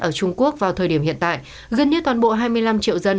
ở trung quốc vào thời điểm hiện tại gần như toàn bộ hai mươi năm triệu dân